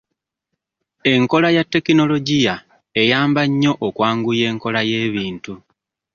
Enkola ya tekinologiya eyamba nnyo okwanguya enkola y'ebintu.